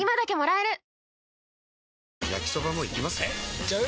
えいっちゃう？